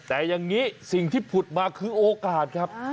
แต่อย่างนี้สิ่งที่ผุดมาคือโอกาสครับ